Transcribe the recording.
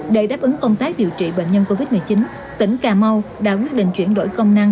để đáp ứng công tác điều trị bệnh nhân covid một mươi chín tỉnh cà mau đã quyết định chuyển đổi công năng